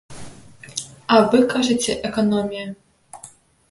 А вы кажаце, эканомія!